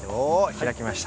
開きました。